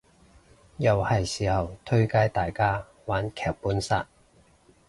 又係時候推介大家玩劇本殺